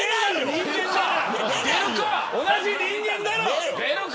同じ人間だろ。